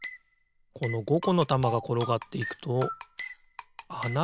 この５このたまがころがっていくとあながあるな。